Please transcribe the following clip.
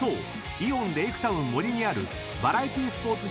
イオンレイクタウンｍｏｒｉにあるバラエティスポーツ施設